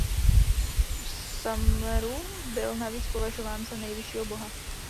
V Sumeru byl navíc považován za nejvyššího boha.